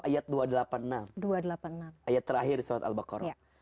ayat terakhir surat al baqarah